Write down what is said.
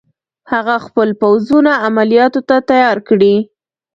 هغه خپل پوځونه عملیاتو ته تیار کړي.